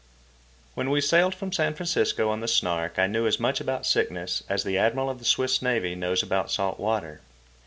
When we sailed from San Francisco on the Snark I knew as much about sickness as the Admiral of the Swiss Navy knows about salt water.